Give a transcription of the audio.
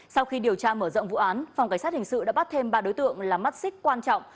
sau khi điều tra mở rộng vụ án phòng cảnh sát hình sự đã bắt thêm ba đối tượng là mắt xích quan trọng